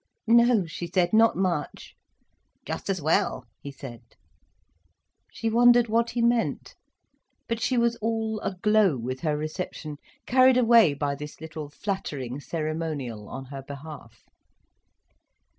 "No," she said, "not much." "Just as well," he said. She wondered what he meant. But she was all aglow with her reception, carried away by this little flattering ceremonial on her behalf.